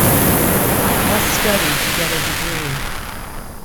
I must study to get a degree.